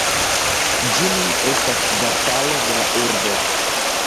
Ĝi nun estas kvartalo de la urbo.